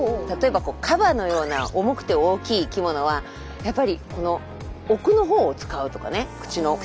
例えばカバのような重くて大きい生きものはやっぱり奥のほうを使うとかね口の。